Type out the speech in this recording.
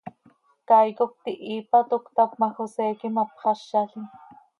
Caay cop tihiipa, toc cötap ma, José quih imapxázalim.